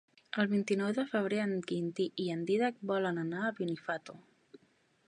El vint-i-nou de febrer en Quintí i en Dídac volen anar a Benifato.